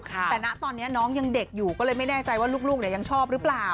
แต่ณตอนนี้น้องยังเด็กอยู่ก็เลยไม่แน่ใจว่าลูกยังชอบหรือเปล่า